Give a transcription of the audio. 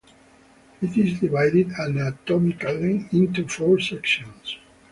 It is divided anatomically into four sections.